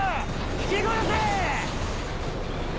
ひき殺せ！